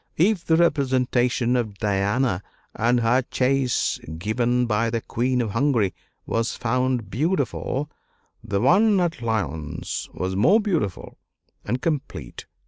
If the representation of Diana and her chase given by the Queen of Hungary was found beautiful, the one at Lyons was more beautiful and complete.